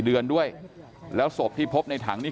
กลุ่มตัวเชียงใหม่